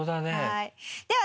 では